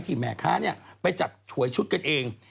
แม่ค้าไปจัดฉวยชุดกันเอง